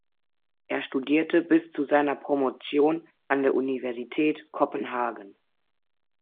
Er studierte bis zu seiner Promotion an der Universität Kopenhagen.